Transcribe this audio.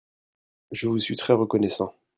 Je vous suis très reconnaissant.